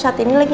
masih duit aja